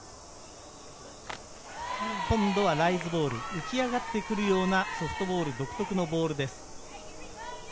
今度はライズボール、浮き上がってくるようなソフトボール独特のボールです。